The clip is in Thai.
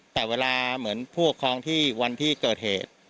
แต่เวลาเหมือนผู้ปกครองที่วันที่เกิดเหตุ